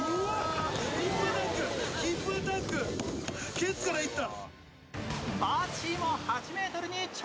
ケツからいった！